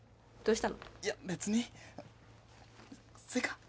どうしたの？いや。